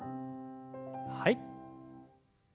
はい。